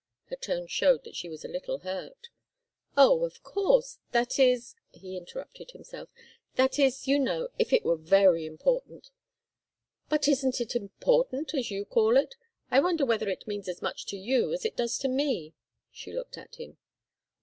Her tone showed that she was a little hurt. "Oh of course! That is " he interrupted himself "that is, you know, if it were very important." "But isn't it important as you call it? I wonder whether it means as much to you as it does to me?" She looked at him.